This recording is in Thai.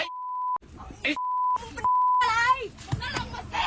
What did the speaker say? อะไรอ่ะ